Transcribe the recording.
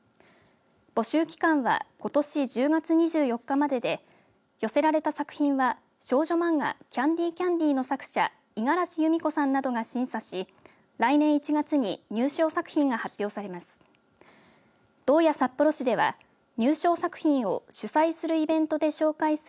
募集期間はことし１０月２４日までで寄せられた作品は少女漫画キャンディ・キャンディの作者いがらしゆみこさんなどが審査し来年１月に入賞作品が発表されます。